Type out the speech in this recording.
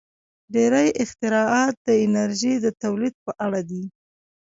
• ډېری اختراعات د انرژۍ د تولید په اړه دي.